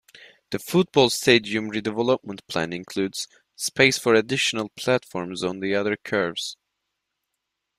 The football stadium redevelopment plan includes space for additional platforms on the other curves.